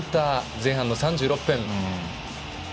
前半の３６分。